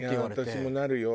私もなるよ